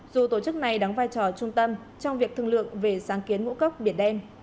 dù tổ chức này đóng vai trò trung tâm trong việc thương lượng về sáng kiến ngũ cốc biển đen